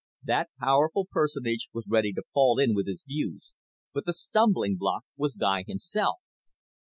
That powerful personage was ready to fall in with his views but the stumbling block was Guy himself.